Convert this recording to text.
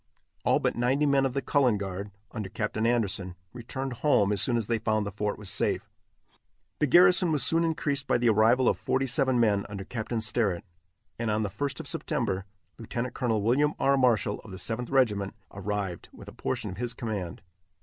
All but ninety men of the Cullen Guard, under Captain Anderson, returned home as soon as they found the fort was safe. The garrison was soon increased by the arrival of forty seven men under Captain Sterritt, and on the 1st of September, Lieut. Col. William R. Marshall of the Seventh Regiment arrived, with a portion of his command.